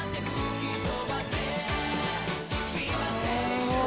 すごい。